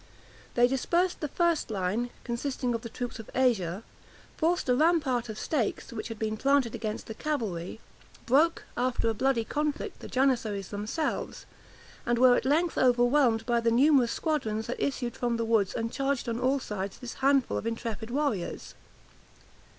They dispersed the first line, consisting of the troops of Asia; forced a rampart of stakes, which had been planted against the cavalry; broke, after a bloody conflict, the Janizaries themselves; and were at length overwhelmed by the numerous squadrons that issued from the woods, and charged on all sides this handful of intrepid warriors.